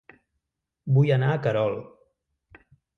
Vull anar a Querol